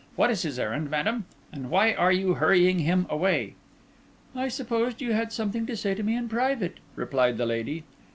What is his errand, madam? and why are you hurrying him away?" "I supposed you had something to say to me in private," replied the lady.